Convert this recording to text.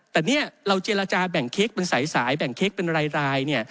แต่เนี่ยเราเจรจาแบ่งเค้กเป็นสายแบ่งเค้กเป็นราย